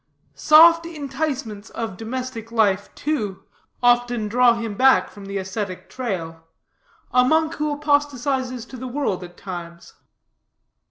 Soft enticements of domestic life too, often draw him from the ascetic trail; a monk who apostatizes to the world at times.